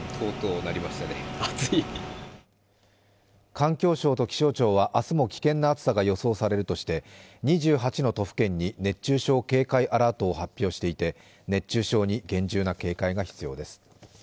環境省と気象庁は明日も危険な暑さが予想されるとしていて２８の都府県に熱中症警戒アラートを発表していて、熱中症に厳重な警戒が必要です。